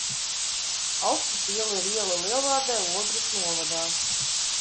Austras iela ir iela Lielvārdē, Ogres novadā.